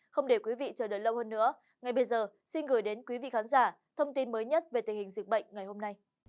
không để quý vị chờ đợi lâu hơn nữa ngay bây giờ xin gửi đến quý vị khán giả thông tin mới nhất về tình hình dịch bệnh ngày hôm nay